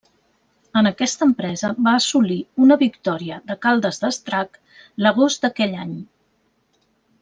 En aquesta empresa va assolir una la victòria de Caldes d'Estrac l'agost d'aquell any.